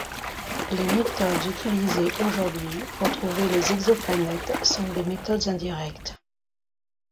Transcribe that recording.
Les méthodes utilisées aujourd'hui, pour trouver les exoplanètes, sont des méthodes indirectes.